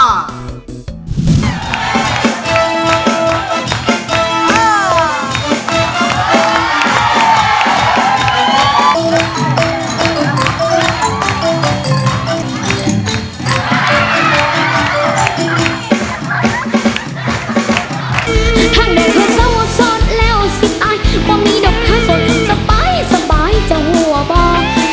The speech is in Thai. ถ้าหน่อยเธอเศร้าสดแล้วสิตายว่ามีดอกข้าวสดสบายสบายจะหัวป่า